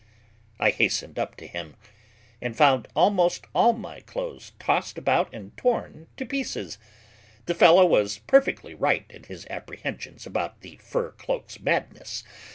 I hastened up to him, and found almost all my clothes tossed about and torn to pieces. The fellow was perfectly right in his apprehensions about the fur cloak's madness.